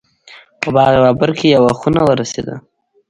په باغ بابر کې یوه خونه ورسېده.